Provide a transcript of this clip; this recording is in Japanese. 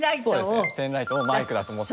そうですねペンライトをマイクだと思って。